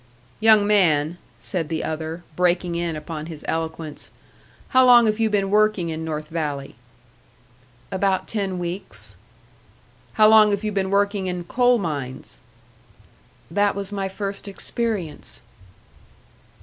"Young man," said the other, breaking in upon his eloquence, "how long have you been working in North Valley?" "About ten weeks." "How long have you been working in coal mines?" "That was my first experience."